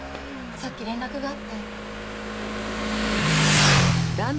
さっき連絡があって。